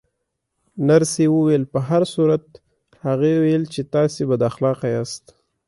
نرسې وویل: په هر صورت، هغې ویل چې تاسې بد اخلاقه یاست.